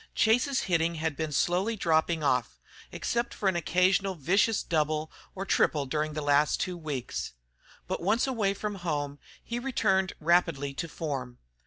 Chase's hitting had been slowly dropping off, except for an occasional vicious double or triple during the last two weeks; but once away from home he returned rapidly to form.